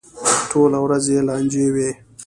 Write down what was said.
ټوله ورځ یې لانجې وي.